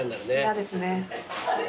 嫌ですね。